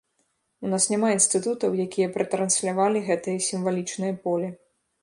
У нас няма інстытутаў, якія б рэтранслявалі гэтае сімвалічнае поле.